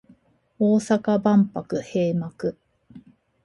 大阪万博閉幕